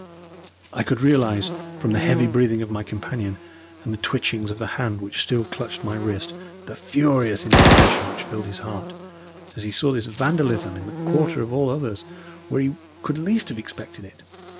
I could realize from the heavy breathing of my companion, and the twitchings of the hand which still clutched my wrist, the furious indignation which filled his heart as he saw this vandalism in the quarter of all others where he could least have expected it.